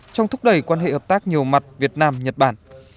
trong thúc đẩy quan hệ hợp tác nhiều mặt việt nam nhật bản